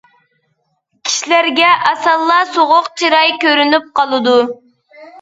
كىشىلەرگە ئاسانلا سوغۇق چىراي كۆرۈنۈپ قالىدۇ.